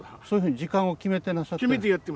そういうふうに時間を決めてなさってる？